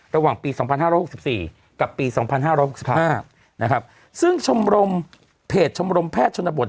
ระหว่างปี๒๕๖๔กับปี๒๕๖๕นะครับซึ่งชมรมเพจชมรมแพทย์ชนบท